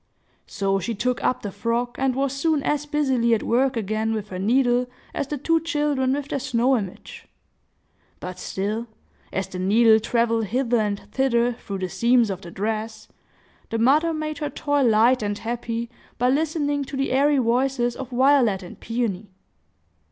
So she took up the frock, and was soon as busily at work again with her needle as the two children with their snow image. But still, as the needle travelled hither and thither through the seams of the dress, the mother made her toil light and happy by listening to the airy voices of Violet and Peony.